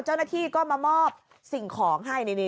เจ้าหน้าที่ก็มามอบสิ่งของให้